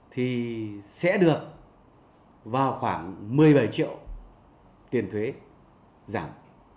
thì sẽ được vào khoảng một mươi bảy triệu tiền thuế giảm